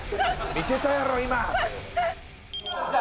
「見てたやろ今」って。